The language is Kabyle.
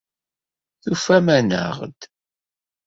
Tufam-aneɣ-d.